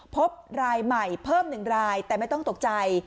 พบรายใหม่เพิ่ม๑รายแต่ไม่ต้องตกใจ